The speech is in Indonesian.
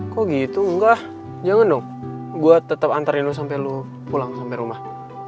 kok gitu enggak jangan dong gue tetep antarin lu sampe lu pulang sampe rumah